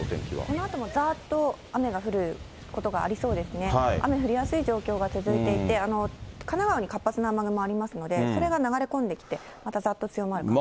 このあともざーっと雨が降ることがありそうですね、雨降りやすい状況が続いていて、神奈川に活発な雨雲ありますので、それが流れ込んできて、またざっと強まる可能性が。